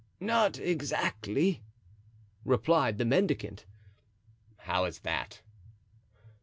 "Not exactly," replied the mendicant. "How is that?"